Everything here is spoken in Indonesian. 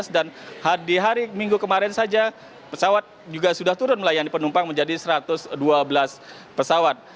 dan di hari minggu kemarin saja pesawat juga sudah turun melayani penumpang menjadi satu ratus dua belas pesawat